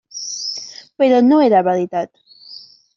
Però no era veritat.